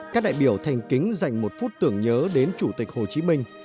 các đại biểu thành kính dành một phút tưởng nhớ đến chủ tịch hồ chí minh